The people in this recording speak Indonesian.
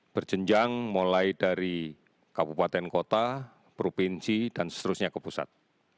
berjenjang mulai dari kabupaten kota provinsi dan seterusnya ke pusat